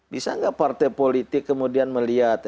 bisa nggak partai politik kemudian melihat